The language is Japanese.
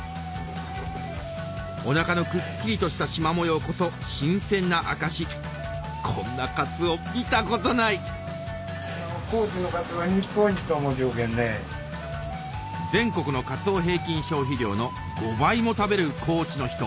お腹のくっきりとしたしま模様こそ新鮮な証しこんなカツオ見たことない全国のカツオ平均消費量の５倍も食べる高知の人